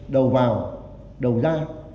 đầu vào đầu ra